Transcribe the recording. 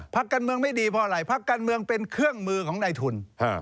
การเมืองไม่ดีเพราะอะไรพักการเมืองเป็นเครื่องมือของในทุน